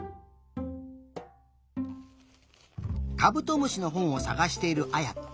カブトムシのほんをさがしているあやと。